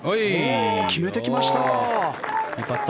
決めてきました。